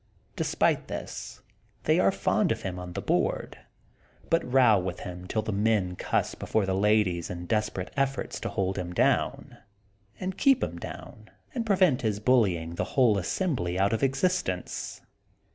Despite this they are fond of him on the board, but row with him till the men cuss before the ladies in desperate efforts to hold him down, and keep him down, aud prevent his bullying the whole assembly out of existence.